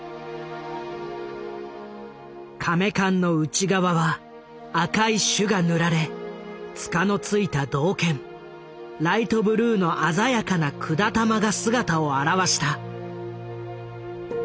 甕棺の内側は赤い朱が塗られ柄の付いた銅剣ライトブルーの鮮やかな管玉が姿を現した。